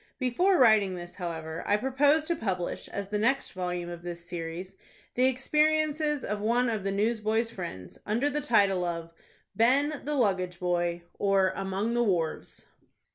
Before writing this, however, I propose to publish, as the next volume of this series, the experiences of one of the newsboy's friends, under the title of BEN, THE LUGGAGE BOY; or, AMONG THE WHARVES.